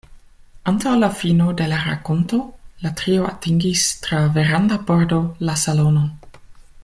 Antaŭ la fino de la rakonto, la trio atingis, tra veranda pordo, la salonon.